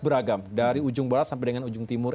beragam dari ujung barat sampai dengan ujung timur